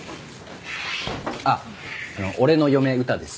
あっ俺の嫁うたです。